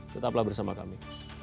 tetaplah bersama kami